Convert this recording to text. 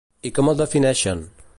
I com el defineixen?